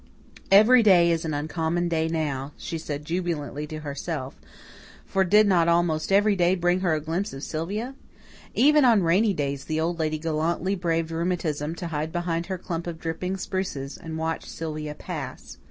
"Every day is an uncommon day now," she said jubilantly to herself for did not almost every day bring her a glimpse of Sylvia? Even on rainy days the Old Lady gallantly braved rheumatism to hide behind her clump of dripping spruces and watch Sylvia pass.